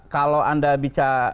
kalau anda bicara